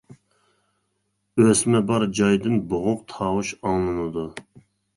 ئۆسمە بار جايدىن بوغۇق تاۋۇش ئاڭلىنىدۇ.